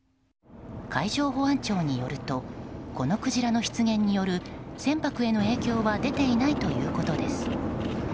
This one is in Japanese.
海上保安庁によるとこのクジラの出現による船舶への影響は出ていないということです。